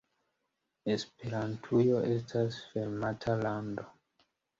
Esperantujo estas fermata lando.